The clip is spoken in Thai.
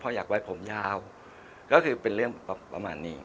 อยากไว้ผมยาวก็คือเป็นเรื่องประมาณนี้